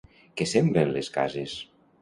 Què semblen les cases?